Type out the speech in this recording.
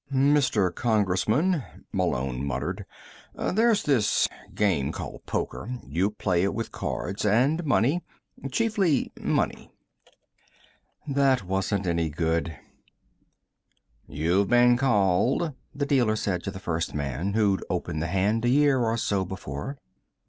"Mr. Congressman," Malone muttered, "there's this game called poker. You play it with cards and money. Chiefly money." That wasn't any good. "You've been called," the dealer said to the first man, who'd opened the hand a year or so before.